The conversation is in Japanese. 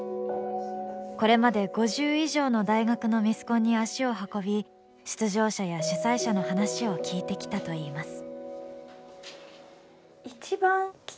これまで５０以上の大学のミスコンに足を運び出場者や主催者の話を聞いてきたといいます。